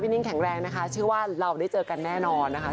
ด้วยให้พี่นิ๊กแข็งแรงนะคะชื่อว่าเราได้เจอกันแน่นอนนะคะ